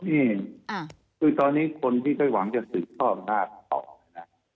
นี่คือตอนนี้คนที่จะหวังจะถือเศสเหล่ามนาคตอบ